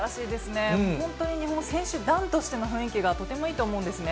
本当に日本選手団としての雰囲気がとてもいいと思うんですね。